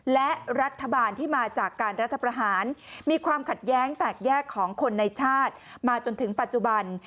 และรัฐบาลที่มาจากการรัฐประหารมีความขัดแย้งแตกแยกของคนในชาติมาจนถึงปัจจุบัน